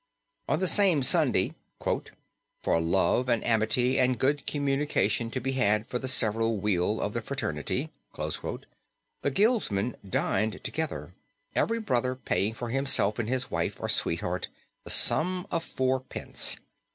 On the same Sunday, "for love and amity and good communication to be had for the several weal of the fraternity," the guildmen dined together, every brother paying for himself and his wife, or sweetheart, the sum of four pence.